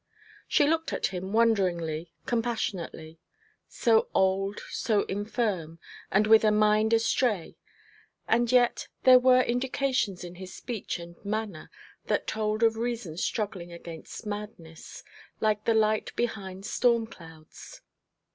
She looked at him wonderingly, compassionately. So old, so infirm, and with a mind astray; and yet there were indications in his speech and manner that told of reason struggling against madness, like the light behind storm clouds.